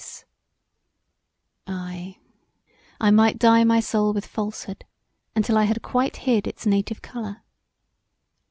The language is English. Aye, I might die my soul with falsehood untill I had quite hid its native colour.